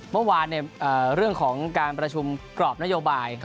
เมื่อวานเรื่องของการประชุมกรอบนโยบาย